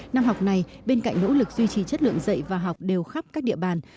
năm học này bên cạnh nỗ lực duy trì chất lượng dạy và học đều khắp các địa bàn